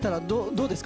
どうです？